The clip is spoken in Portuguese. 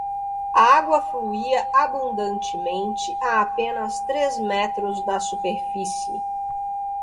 A água fluía abundantemente a apenas três metros da superfície.